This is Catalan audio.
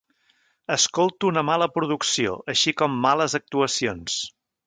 Escolto una mala producció, així com males actuacions.